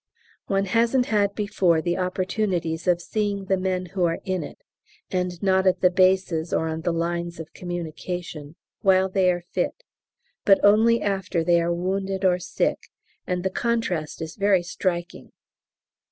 One hasn't had before the opportunities of seeing the men who are in it (and not at the Bases or on the Lines of Communication) while they are fit, but only after they are wounded or sick, and the contrast is very striking.